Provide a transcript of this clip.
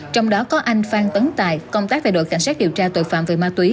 trong đó có anh phan tấn tài công tác về đội cảnh sát điều tra tội phạm về ma túy